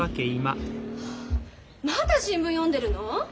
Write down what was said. まだ新聞読んでるの？